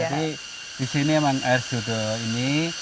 jadi disini memang air sedudo ini